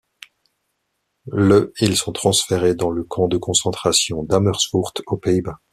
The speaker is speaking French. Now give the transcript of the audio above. Le ils sont transférés dans le camp de concentration d'Amersfoort aux Pays-Bas.